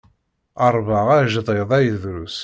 Ṛbeɛ ajdid ay drus.